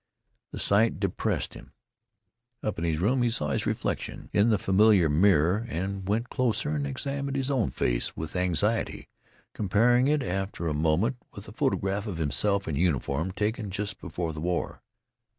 The sight depressed him. Up in his room he saw his reflection in the familiar mirror he went closer and examined his own face with anxiety, comparing it after a moment with a photograph of himself in uniform taken just before the war.